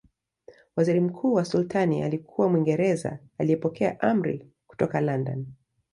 Waziri mkuu wa Sultani alikuwa Mwingereza aliyepokea amri kutoka London